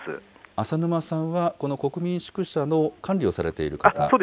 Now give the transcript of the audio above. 浅沼さんは、この国民宿舎の管理をされている方？